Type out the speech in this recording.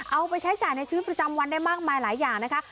เอาไปใช้จ่ายในชีวิตประจำวันได้มากมายหลายอย่างนะคะ